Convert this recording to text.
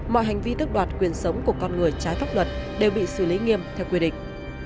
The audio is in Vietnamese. mọi hành vi tức đoạt quyền sống của con người trái pháp luật đều bị xử lý nghiêm theo quy định